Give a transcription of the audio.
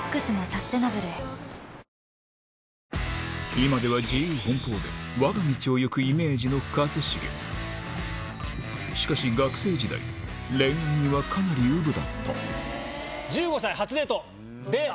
今では自由奔放で我が道を行くイメージの一茂しかし学生時代かなりえっ？